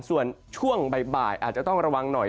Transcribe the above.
ส่วนช่วงบ่ายอาจจะต้องระวังหน่อย